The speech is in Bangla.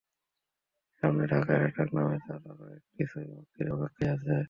সামনে ঢাকা অ্যাটাক নামে তাঁর আরও একটি ছবি মুক্তির অপেক্ষায় আছে।